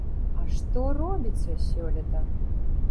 А што робіцца сёлета!